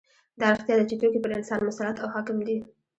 دا رښتیا ده چې توکي پر انسان مسلط او حاکم دي